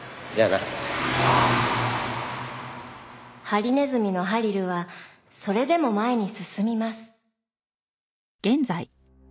「ハリネズミのハリルはそれでもまえにすすみます」